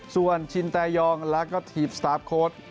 ส่วนชินแตยองแล้วก็ทีมสตาร์ฟโค้ด